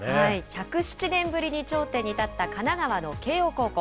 １０７年ぶりに頂点に立った神奈川の慶応高校。